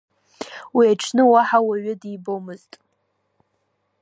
Уи аҽны уаҳа уаҩы дибомызт.